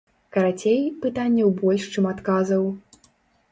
Карацей, пытанняў больш, чым адказаў.